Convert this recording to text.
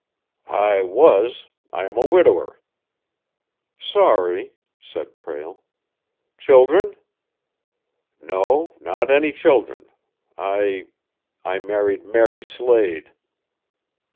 "I was I am a widower." "Sorry," said Prale. "Children?" "No not any children. I I married Mary Slade."